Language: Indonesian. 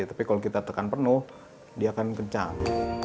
tapi kalau kita tekan penuh dia akan kencang